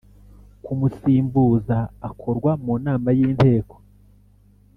kumusimbuza akorwa mu nama y Inteko